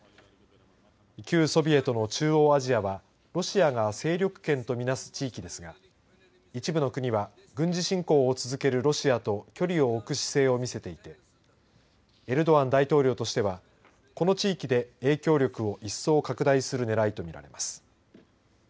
旧ソビエトの中央アジアはロシアが勢力圏と見なす地域ですが一部の国は軍事侵攻を続けるロシアと距離を置く姿勢を見せていてエルドアン大統領としてはこの地域で影響力を一層拡大するねらいと見られます。